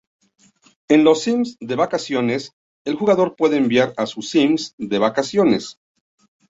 En "Los Sims: de vacaciones" el jugador puede enviar a sus sims de vacaciones.